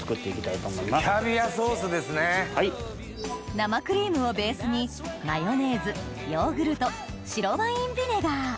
生クリームをベースにマヨネーズヨーグルト白ワインビネガー